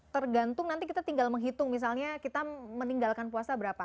tergantung nanti kita tinggal menghitung misalnya kita meninggalkan puasa berapa